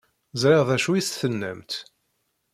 Ẓṛiɣ d acu i s-tennamt.